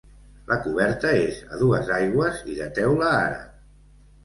La coberta és a dues aigües i de teula àrab.